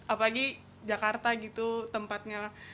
apalagi jakarta gitu tempatnya